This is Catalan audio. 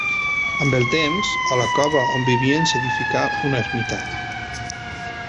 Amb el temps, a la cova on vivien s'edificà una ermita.